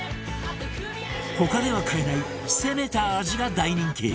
他では買えない攻めた味が大人気